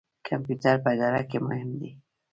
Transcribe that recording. کمپیوټر په اداره کې مهم دی